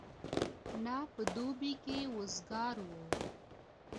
نه په دوبي کي وزګار وو